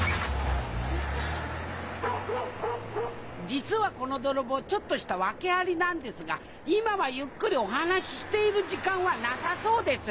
実はこの泥棒ちょっとした訳ありなんですが今はゆっくりお話ししている時間はなさそうです。